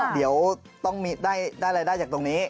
เดี๋ยวต้องได้รายได้จากตรงนี้